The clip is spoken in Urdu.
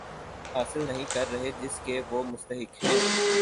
حاصل نہیں کر رہے جس کے وہ مستحق ہیں